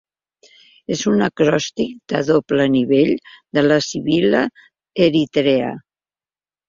És un acròstic de doble nivell de la sibil·la Eritrea.